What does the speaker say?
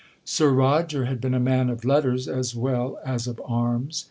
'Sir Roger had been a man of letters as well as of arms.